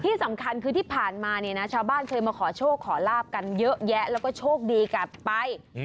ที่สำคัญคือที่ผ่านมาเนี่ยนะชาวบ้านเคยมาขอโชคขอลาบกันเยอะแยะแล้วก็โชคดีกลับไป